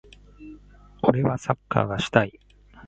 俺はサッカーがしたい。